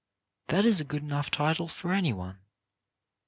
That is a good enough title for any one.